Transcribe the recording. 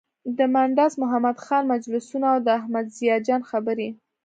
د مانډس محمد خان مجلسونه او د احمد ضیا جان خبرې.